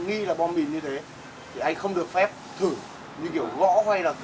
nghi là bom mìn như thế thì anh không được phép thử như kiểu gõ hay là cưa thử